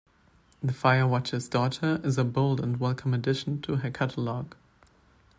The Firewatcher's Daughter is a bold and welcome addition to her catalogue.